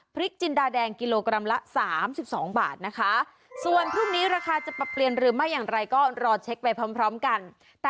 จินดาแดงกิโลกรัมละ๓๒บาทนะคะส่วนพรุ่งนี้ราคาจะปรับเปลี่ยนหรือไม่อย่างไรก็รอเช็คไปพร้อมกัน